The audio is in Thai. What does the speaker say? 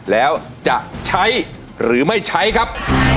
แล้วจะใช้หรือไม่ใช้ครับ